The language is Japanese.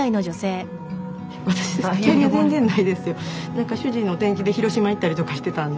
何か主人の転勤で広島行ったりとかしてたんで。